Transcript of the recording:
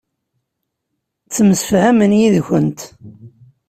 Ttemsefhamen yid-kent.